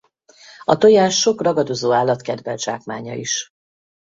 A tojás sok ragadozó állat kedvelt zsákmánya is.